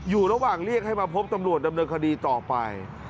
อยู่ระหว่างเรียกให้มาพบตำรวจดำเนินคดีต่อไป